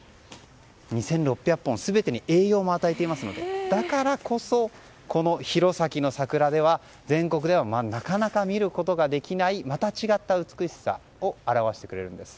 ２６００本全てに栄養を与えていますのでだからこそ、この弘前の桜では全国ではなかなか見ることができないまた違った美しさを表してくれるんです。